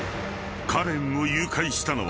カレンを誘拐したのは］